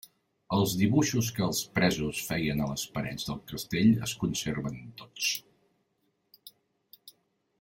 Els dibuixos que els presos feien a les parets del castell es conserven tots.